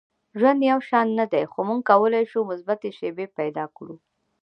• ژوند یو شان نه دی، خو موږ کولی شو مثبتې شیبې پیدا کړو.